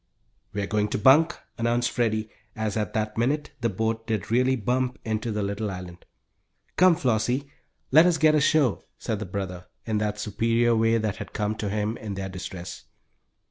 "We're going to bunk," announced Freddie, as at that minute the boat did really bump into the little island. "Come, Flossie, let us get ashore," said the brother, in that superior way that had come to him in their distress.